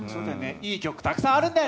いい曲たくさんあるんだよ。